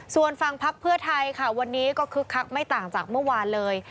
ส่วนฝั่งพักเพื่อไทยค่ะวันนี้ก็คึกคักไม่ต่างจากเมื่อวานเลย